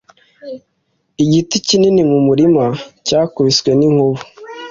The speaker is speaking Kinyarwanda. Igiti kinini mu murima cyakubiswe n'inkuba.